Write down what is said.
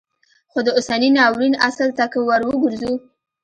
خو د اوسني ناورین اصل ته که وروګرځو